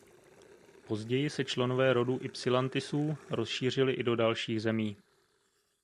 Později se členové rodu Ypsilantisů rozšířili i do dalších zemí.